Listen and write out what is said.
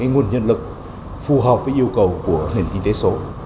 nguồn nhân lực phù hợp với yêu cầu của nền kinh tế số